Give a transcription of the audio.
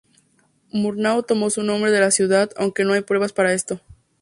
Murnau tomó su nombre de la ciudad, aunque no hay pruebas para esto.